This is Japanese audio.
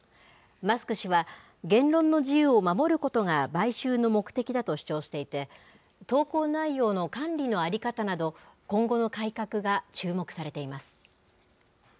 マスク氏は、言論の自由を守ることが買収の目的だと主張していて、投稿内容の管理の在り方など、今後の改革が注目されています。